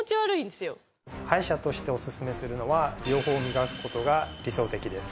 歯医者としておすすめするのは両方みがく事が理想的です。